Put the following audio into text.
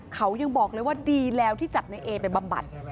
เขายังบอกเลยว่าดีแล้วที่จับในเอไปบำบัด